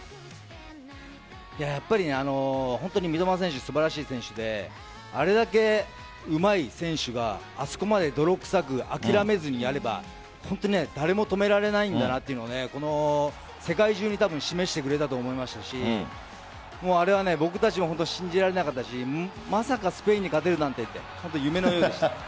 やっぱり三笘選手素晴らしい選手であれだけうまい選手があそこまで泥臭く諦めずにやれば本当に誰も止められないんだなというのを世界中に示してくれたと思いましたしあれは僕たちも信じられなかったしまさかスペインに勝てるなんてと夢のようでした。